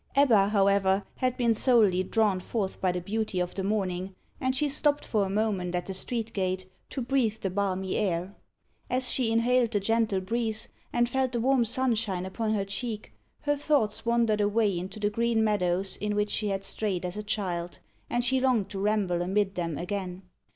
Ebba, however, had been solely drawn forth by the beauty of the morning, and she stopped for a moment at the street gate, to breathe the balmy air. As she inhaled the gentle breeze, and felt the warm sunshine upon her cheek, her thoughts wandered away into the green meadows in which she had strayed as a child, and she longed to ramble amid them again.